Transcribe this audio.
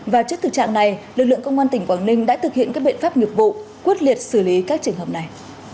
và trước thực trạng này lực lượng công an tỉnh quảng ninh đã thực hiện các biện pháp nghiệp vụ quyết liệt xử lý các trường hợp này